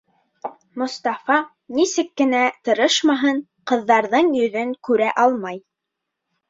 Мостафа, нисек кенә тырышмаһын, ҡыҙҙарҙың йөҙөн күрә алмай!